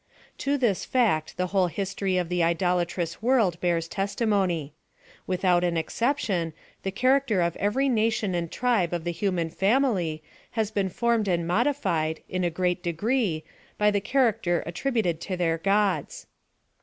To this fact the whole history of the idolatrous world bears testimony. Without an exception, the character of every nation and tribe of the human family has been formed and modified, in a great degree, by the character attributed to their gods.